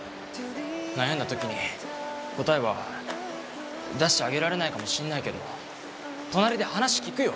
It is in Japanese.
悩んだ時に答えは出してあげられないかもしんないけど隣で話聞くよ！